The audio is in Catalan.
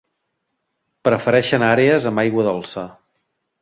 Prefereixen àrees amb aigua dolça.